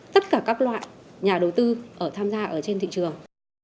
tất cả các loại nhà đầu tư tham gia trên thị trường